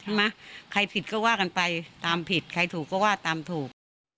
ไหมใครผิดก็ว่ากันไปตามผิดใครถูกก็ว่าตามถูก